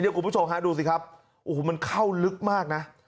เดี๋ยวกลุ่มผู้ชมหาดูสิครับโอ้โหมันเข้าลึกมากนะ